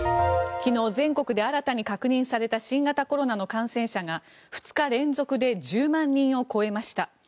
昨日、全国で新たに確認された新型コロナの感染者が２日連続で１０万人を超えました。